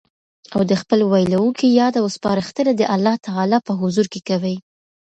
او د خپل ويلوونکي ياد او سپارښتنه د الله تعالی په حضور کي کوي